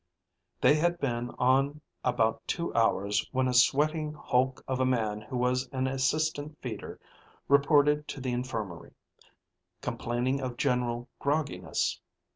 They had been on about two hours when a sweating hulk of a man who was an assistant feeder reported to the infirmary, complaining of general grogginess.